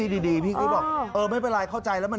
แล้วก็คือมอเตอร์ไซส์ก็จะล้ม